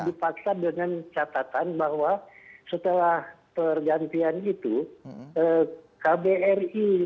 itu dipaksa dengan catatan bahwa setelah pergantian itu